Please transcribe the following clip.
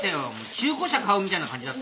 中古車買うみたいな感じだった。